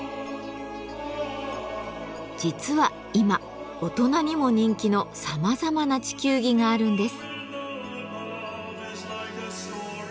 実は今大人にも人気のさまざまな地球儀があるんです。